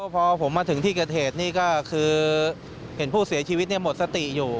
พอผมมาถึงที่เกิดเหตุนี่ก็คือเห็นผู้เสียชีวิตหมดสติอยู่